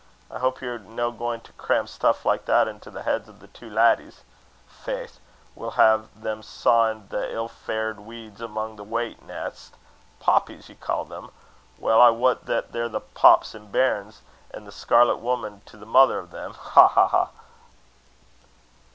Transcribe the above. I houp ye're no gaen to cram stuff like that into the heeds o' the twa laddies. Faith! we'll hae them sawin' thae ill faured weyds amang the wheyt neist. Poapies ca' ye them? Weel I wat they're the Popp's ain bairns, an' the scarlet wumman to the mither o' them. Ha! ha! ha!"